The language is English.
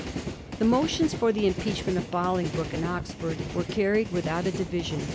The motions for the impeachment of Bolingbroke and Oxford were carried without a division.